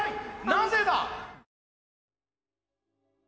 なぜだ！